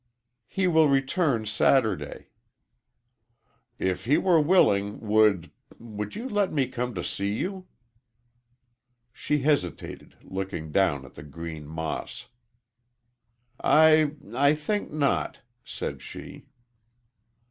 "He will return Saturday." "If he were willing, would would you let me come to see you?" She hesitated, looking down at the green moss. "I I think not," said she.